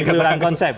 iya kekeliruan konsep